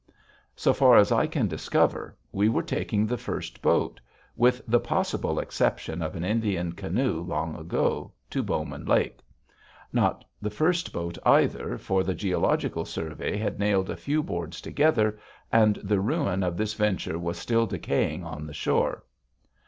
So far as I can discover, we were taking the first boat, with the possible exception of an Indian canoe long ago, to Bowman Lake. Not the first boat, either, for the Geological Survey had nailed a few boards together, and the ruin of this venture was still decaying on the shore.